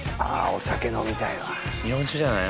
お酒飲みたいわ日本酒じゃない？